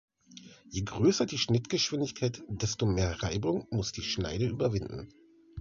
Je größer die Schnittgeschwindigkeit, desto mehr Reibung muss die Schneide überwinden.